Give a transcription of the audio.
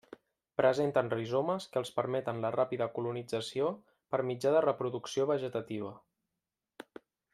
Presenten rizomes que els permeten la ràpida colonització per mitjà de reproducció vegetativa.